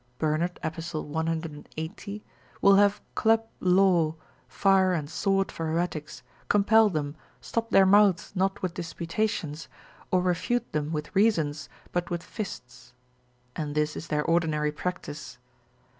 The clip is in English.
Bernard. Epist. 180, will have club law, fire and sword for heretics, compel them, stop their mouths not with disputations, or refute them with reasons, but with fists; and this is their ordinary practice.